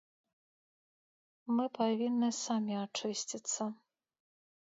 Мы павінны самі ачысціцца.